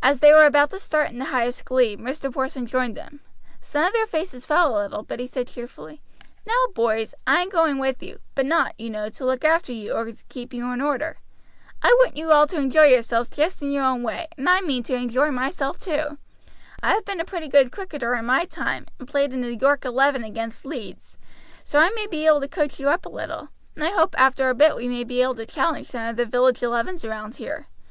As they were about to start in the highest glee, Mr. Porson joined them. Some of their faces fell a little; but he said cheerfully: "Now, boys, I am going with you; but not, you know, to look after you or keep you in order. I want you all to enjoy yourselves just in your own way, and I mean to enjoy myself too. I have been a pretty good cricketer in my time, and played in the York Eleven against Leeds, so I may be able to coach you up a little, and I hope after a bit we may be able to challenge some of the village elevens round here.